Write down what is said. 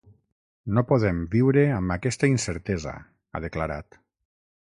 No podem viure amb aquesta incertesa, ha declarat.